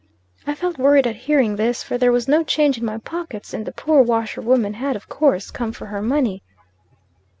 "I felt worried at hearing this; for there was no change in my pockets, and the poor washerwoman, had, of course, come for her money.